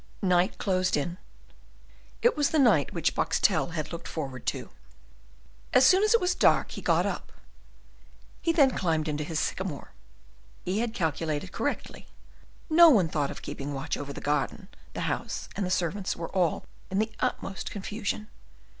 Night closed in. It was the night which Boxtel had looked forward to. As soon as it was dark he got up. He then climbed into his sycamore. He had calculated correctly; no one thought of keeping watch over the garden; the house and the servants were all in the utmost confusion.